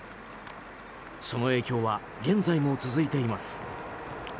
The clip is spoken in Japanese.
その影響は現在も続いています。